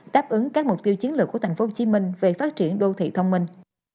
đáp ứng các mục tiêu chiến lược của tp hcm về phát triển đô thị thông minh